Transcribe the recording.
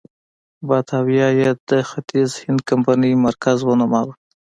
باتاویا یې د ختیځ هند کمپنۍ مرکز ونوماوه.